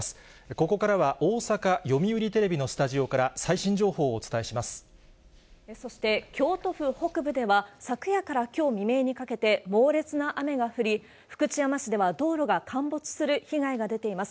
ここからは大阪、読売テレビのスタジオから最新情報をお伝えしまそして京都府北部では、昨夜からきょう未明にかけて、猛烈な雨が降り、福知山市では道路が陥没する被害が出ています。